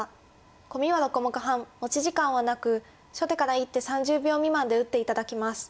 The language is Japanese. コミは６目半持ち時間はなく初手から１手３０秒未満で打って頂きます。